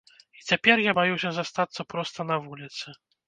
І цяпер я баюся застацца проста на вуліцы.